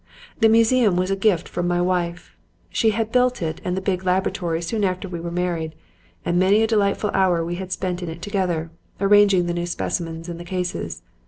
The museum was a gift from my wife. She had built it and the big laboratory soon after we were married and many a delightful hour we had spent in it together, arranging the new specimens in the cases.